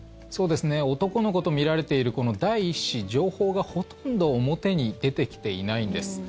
男の子とみられているこの第１子情報がほとんど表に出てきていないんです。